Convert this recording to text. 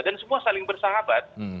dan semua saling bersahabat